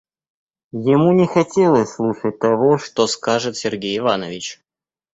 Ему не хотелось слушать того, что скажет Сергей Иванович.